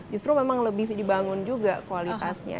justru memang lebih dibangun juga kualitasnya